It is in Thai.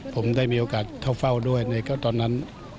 ผมได้มีโอกาสเข้าเฝ้าด้วยในตอนนั้น